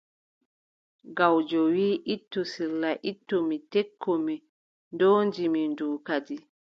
Gawjo wii, ittu sirla ittu mi, tekku mi ndoodi mi ndu kadi.